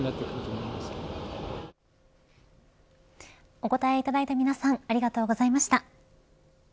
お答えいただいた皆さんありがとうございました。